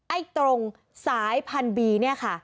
ไอ้ตรงสายพันธบีเนี่ยค่ะ